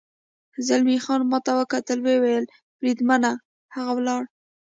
زلمی خان ما ته وکتل، ویې ویل: بریدمنه، هغه ولاړ.